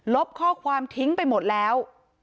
ข้อความทิ้งไปหมดแล้ว